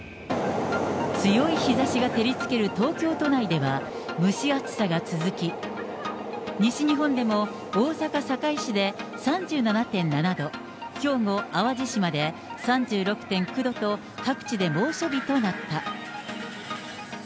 強い日ざしが照りつける東京都内では、蒸し暑さが続き、西日本でも大阪・堺市で３７．７度、兵庫・淡路島で３６．９度と、各地で猛暑日となった。